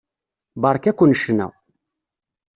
Beṛka-ken ccna.